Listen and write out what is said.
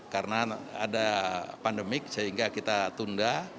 karena ada pandemik sehingga kita tunda